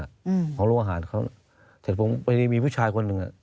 ของรู้อาหารเขาเสร็จผมไปมีผู้ชายคนหนึ่งอ่ะ